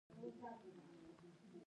د تشدد لاره به يې پرېښودله.